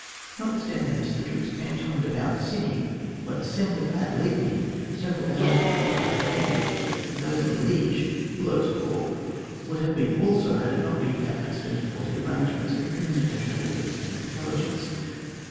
Notwith standing this, the troops cantoned about Ciney were assembled at Ligny several hours before the battle began, and those near Li^ge (Bulow's Corps) would have been also, had it not been for accident and faulty arrangements in the commu nication of orders and intelligence.